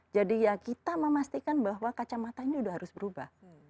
jadi ya kita memastikan bahwa kacamatanya udah harus berubah